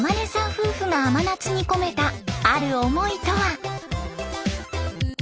夫婦が甘夏に込めたある思いとは？